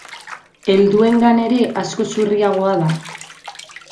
Helduengan ere askoz urriagoa da.